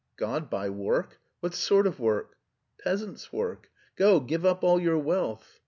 "God by work? What sort of work?" "Peasants' work. Go, give up all your wealth....